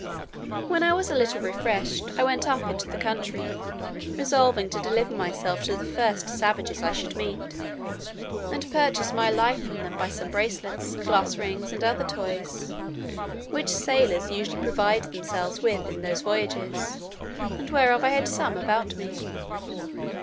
When I was a little refreshed, I went up into the country, resolving to deliver myself to the first savages I should meet, and purchase my life from them by some bracelets, glass rings, and other toys, which sailors usually provide themselves with in those voyages, and whereof I had some about me.